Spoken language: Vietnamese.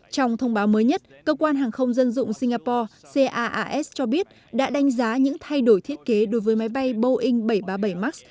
trong thông báo mới nhất cơ quan hàng không dân dụng singapore caas cho biết đã đánh giá những thay đổi thiết kế đối với máy bay boeing bảy trăm ba mươi bảy max